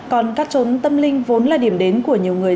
còn cát trốn tâm linh vốn là điểm đến của nhiều người